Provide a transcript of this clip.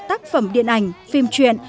tác phẩm điện ảnh phim chuyện